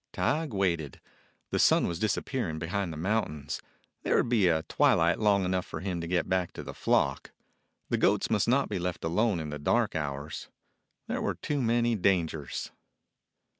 Tige waited. The sun was disappearing behind the mountains. There would be a twi light long enough for him to get back to the flock; the goats must not be left alone in the dark hours. There were too many dangers.